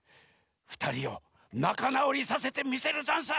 ふたりをなかなおりさせてみせるざんす！